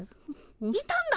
いたんだ？